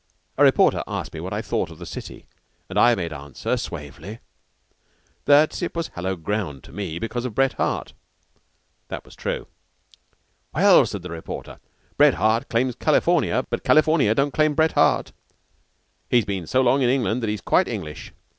A reporter asked me what I thought of the city, and I made answer suavely that it was hallowed ground to me, because of Bret Harte. That was true. "Well," said the reporter, "Bret Harte claims California, but California don't claim Bret Harte. He's been so long in England that he's quite English.